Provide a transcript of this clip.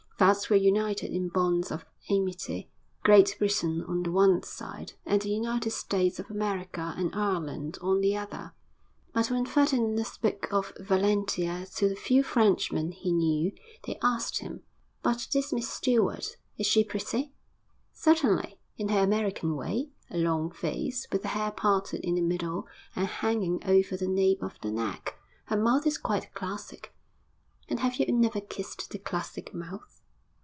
Thus were united in bonds of amity, Great Britain on the one side and the United States of America and Ireland on the other. But when Ferdinand spoke of Valentia to the few Frenchmen he knew, they asked him, 'But this Miss Stewart is she pretty?' 'Certainly in her American way; a long face, with the hair parted in the middle and hanging over the nape of the neck. Her mouth is quite classic.' 'And have you never kissed the classic mouth?'